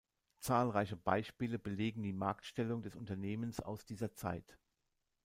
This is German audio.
Zahlreiche Beispiele belegen die Marktstellung des Unternehmens aus dieser Zeit.